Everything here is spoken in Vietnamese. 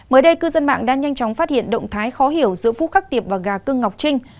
mới đây cư dân mạng đã nhanh chóng phát hiện động thái khó hiểu giữa phúc khắc tiệp và gà cưng ngọc trinh